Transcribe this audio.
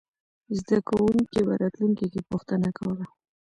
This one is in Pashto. زده کوونکي به راتلونکې کې پوښتنې کوله.